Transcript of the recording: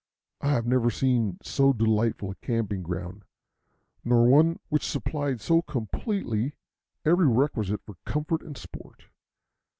I have never seen so delightful a camping ground, nor one which supplied so completely every requisite for comfort and sport.